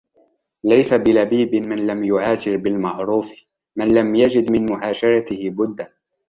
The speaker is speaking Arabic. لَيْسَ بِلَبِيبٍ مَنْ لَمْ يُعَاشِرْ بِالْمَعْرُوفِ مَنْ لَمْ يَجِدْ مِنْ مُعَاشَرَتِهِ بُدًّا